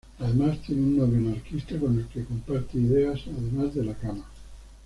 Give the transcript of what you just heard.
Además, tiene un novio anarquista con el que comparte ideas además de la cama.